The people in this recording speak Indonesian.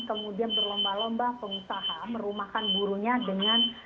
kemudian berlomba lomba pengusaha merumahkan gurunya dengan